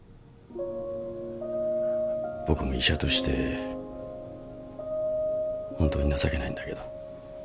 僕も医者として本当に情けないんだけど。